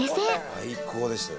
最高でしたよ。